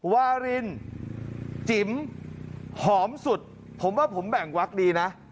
วารินจิ๋มหอมสุดผมว่าผมแบ่งวักดีนะ